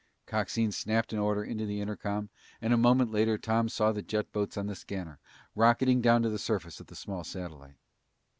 Coxine snapped an order into the intercom and a moment later Tom saw the jet boats on the scanner, rocketing down to the surface of the small satellite.